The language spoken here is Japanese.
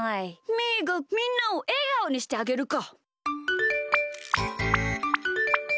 みーがみんなをえがおにしてあげるか！